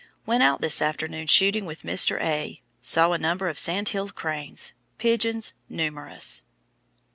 "Went out this afternoon shooting with Mr. A. Saw a number of Sandhill cranes. Pigeons numerous."